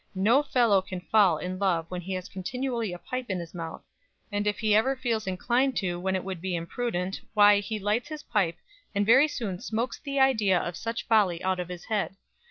No fellow can fall in love when he has continually a pipe in his mouth; and if he ever feels inclined to when it would be imprudent, why he lights his pipe, and very soon smokes the idea of such folly out of his head.